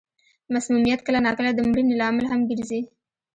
مسمومیت کله نا کله د مړینې لامل هم ګرځي.